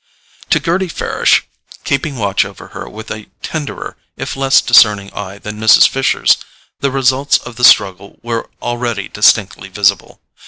To Gerty Farish, keeping watch over her with a tenderer if less discerning eye than Mrs. Fisher's, the results of the struggle were already distinctly visible.